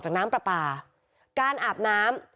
น้ำปลาปลาการอาบน้ำ